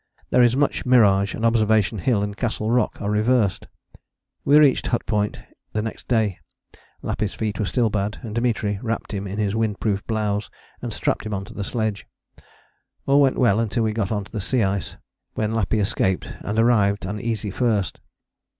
There is much mirage, and Observation Hill and Castle Rock are reversed." We reached Hut Point the next day. Lappy's feet were still bad, and Dimitri wrapped him in his windproof blouse and strapped him on to the sledge. All went well until we got on to the sea ice, when Lappy escaped and arrived an easy first.